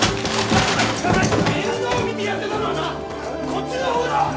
面倒を見てやってたのはこっちの方だッ